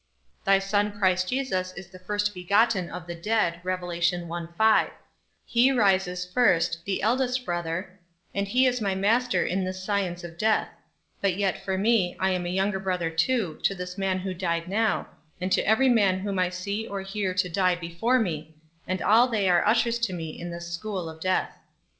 Thy Son Christ Jesus is the first begotten of the dead; he rises first, the eldest brother, and he is my master in this science of death; but yet, for me, I am a younger brother too, to this man who died now, and to every man whom I see or hear to die before me, and all they are ushers to me in this school of death.